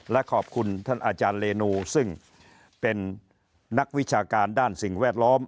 และขอบคุณท่านอาจารย์เรนูซึ่งเป็นนักวิชาการด้านสิ่งแวดล้อม